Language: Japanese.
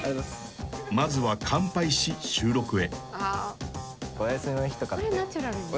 ［まずは乾杯し収録へ］